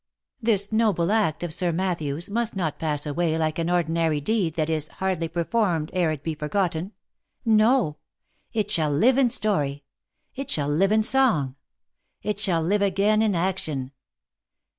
This noble act of Sir Matthew's must not pass away like an ordinary deed that is [hardly performed, ere it be forgotten. No! it shall live in story — it shall live in song — it shall live again in action